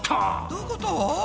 どういうこと？